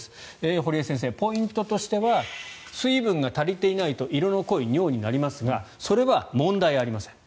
堀江先生、ポイントとしては水分が足りていないと色の濃い尿になりますがそれは問題ありません。